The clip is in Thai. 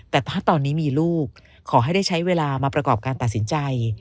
แต่ถ้าตอนนี้มีลูกขอให้ได้ใช้เวลามาประกอบการตัดสินใจ